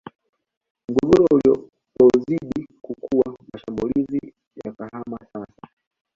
Mgogoro ulipozidi kukua mashambulizi yakahama sasa